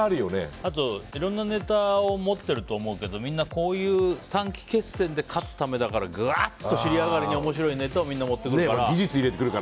あと、いろいろなネタを持ってると思うけどみんなこういう短期決戦で勝つためだからぐわっと尻上がりに面白いネタをみんな持ってくるから。